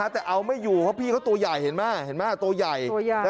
แต่เอาไม่อยู่เพราะพี่เขาตัวใหญ่เห็นไหมเห็นไหมตัวใหญ่